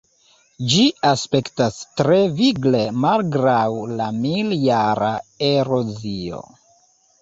Ĝi aspektas tre vigle malgraŭ la mil-jara erozio.